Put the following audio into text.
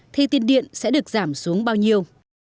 thì tiền điện sẽ được giảm xuống bao nhiêu